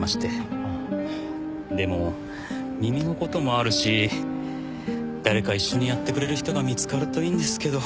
でも耳のこともあるし誰か一緒にやってくれる人が見つかるといいんですけど。